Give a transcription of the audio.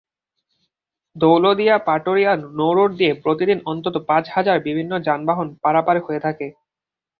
দৌলতদিয়া-পাটুরিয়া নৌরুট দিয়ে প্রতিদিন অন্তত পাঁচ হাজার বিভিন্ন যানবাহন পারাপার হয়ে থাকে।